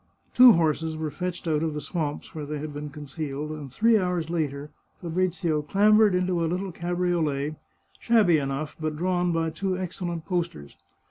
Two horses were fetched out of the swamps where they had been concealed, and three hours later Fabrizio clambered into a little cabriolet, shabby enough, but drawn by two excellent posters.